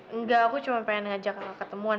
enggak aku cuma pengen ngajak ketemuan